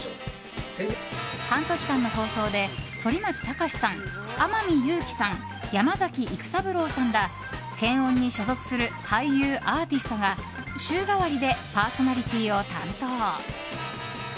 半年間の放送で、反町隆史さん天海祐希さん、山崎育三郎さんら研音に所属する俳優、アーティストが週替わりでパーソナリティーを担当。